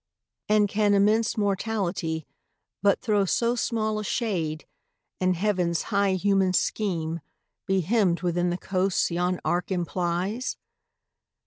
And can immense Mortality but throw So small a shade, and Heaven's high human scheme Be hemmed within the coasts yon arc implies?